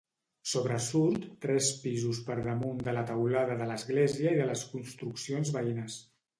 Sobresurt tres pisos per damunt de la teulada de l'església i de les construccions veïnes.